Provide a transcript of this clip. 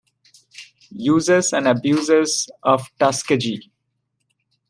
Uses and Abuses of Tuskegee.